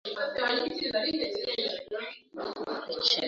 inumunsinge ibikorwe by’ebentu Yesu ifeshe uwifeshishe